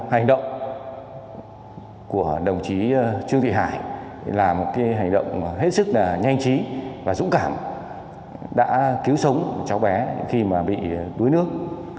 hành động của đồng chí trung thị hải là một hành động hết sức nhanh chí và dũng cảm đã cứu sống cháu bé khi bị đuối nước